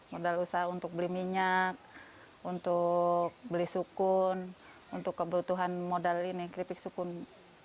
modal usaha untuk beli minyak untuk beli sukun untuk kebutuhan modal ini keripik sukun